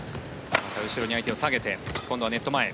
また後ろに相手を下げて今度はネット前。